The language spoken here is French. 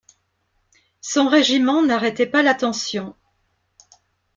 Son régiment n'arrêtait pas l'attention.